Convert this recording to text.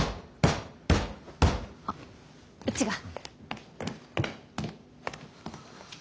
あっうちが。